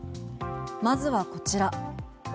まずはこちら。